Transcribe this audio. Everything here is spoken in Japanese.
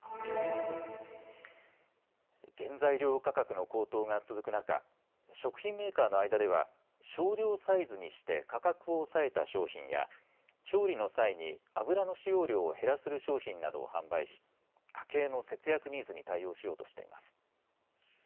原材料価格の高騰が続く中、食品メーカーの間では少量サイズにして価格を抑えた商品や調理の際に油の使用量を減らせる商品などを販売し家計の節約ニーズに対応しようとしています。